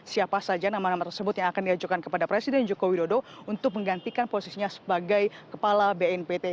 siapa saja nama nama tersebut yang akan diajukan kepada presiden joko widodo untuk menggantikan posisinya sebagai kepala bnpt